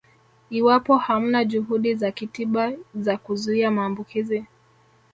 Iwapo hamna juhudi za kitiba za kuzuia maambukizi